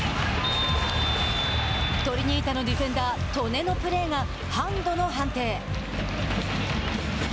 トリニータのディフェンダー刀根のプレーがハンドの判定。